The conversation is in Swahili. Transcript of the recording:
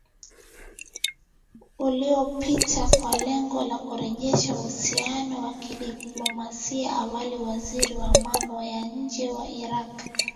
uliopita kwa lengo la kurejesha uhusiano wa kidiplomasia Awali waziri wa mambo ya nje wa Iraq